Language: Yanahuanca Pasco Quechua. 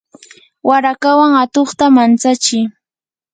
warakawan atuqta mantsachi.